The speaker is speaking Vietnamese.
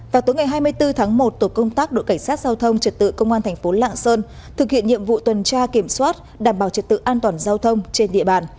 vào tối ngày hai mươi bốn tháng một tổ công tác đội cảnh sát giao thông trật tự công an thành phố lạng sơn thực hiện nhiệm vụ tuần tra kiểm soát đảm bảo trật tự an toàn giao thông trên địa bàn